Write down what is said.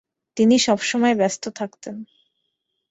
তিনি সবসময় ব্যস্ত থাকতেন।